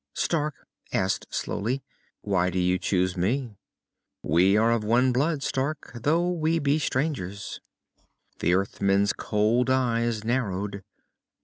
Stark asked slowly, "Why do you choose me?" "We are of one blood, Stark, though we be strangers." The Earthman's cold eyes narrowed.